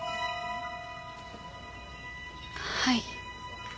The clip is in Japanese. はい。